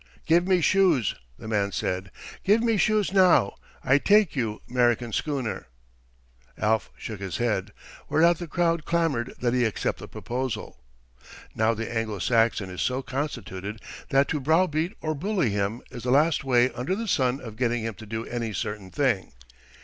"Give me shoes," the man said. "Give me shoes now. I take you 'Merican schooner." Alf shook his head, whereat the crowd clamored that he accept the proposal. Now the Anglo Saxon is so constituted that to browbeat or bully him is the last way under the sun of getting him to do any certain thing.